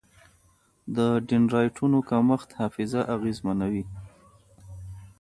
د ډنډرایټونو کمښت حافظه اغېزمنوي.